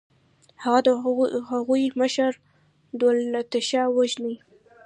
هغه د هغوی مشر دولتشاهو وژني.